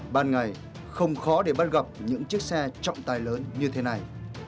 ban ngày không khó để bắt gặp những chiếc xe trọng tài lớn như thế này